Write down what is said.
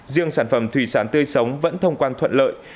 riêng sản phẩm thủy sản tươi sống vẫn thông quan thuận lợi